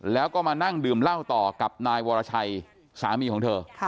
แล้วก็มานั่งดื่มเหล้าต่อกับนายวรชัยสามีของเธอ